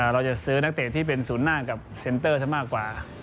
เราจะซื้อนักเตะที่เป็นศูนย์หน้ากับเซ็นเตอร์ซะมากกว่า